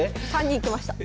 ３人きました。